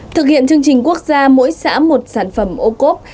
thực hiện chương trình quốc gia mỗi xã một sản phẩm ô cốp